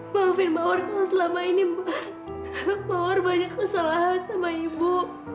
maafin mawar kalau selama ini mawar banyak kesalahan sama ibu